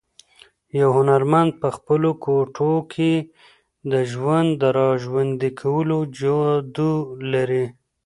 یو هنرمند په خپلو ګوتو کې د ژوند د راژوندي کولو جادو لري.